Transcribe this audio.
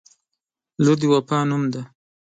• لور د وفا نوم دی.